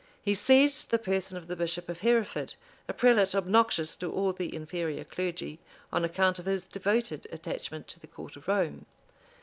He seized the person of the bishop of Hereford, a prelate obnoxious to all the inferior clergy, on account of his devoted attachment to the court of Rome.